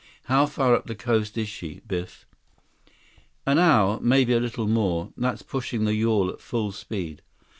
How far up the coast is she, Biff?" "An hour. Maybe a little more. That's pushing the yawl at full speed."